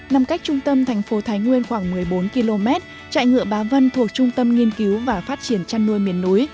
nằm cách trung tâm thành phố thái nguyên khoảng một mươi bốn km trại ngựa bá vân thuộc trung tâm nghiên cứu và phát triển chăn nuôi miền núi